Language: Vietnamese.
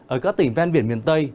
ở các tỉnh ven biển miền tây